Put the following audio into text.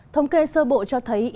thông kê sơ bộ cho thấy